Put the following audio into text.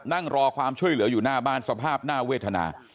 นั่งรอความช่วยเหลืออยู่หน้าบ้านสภาพน่าเวทนา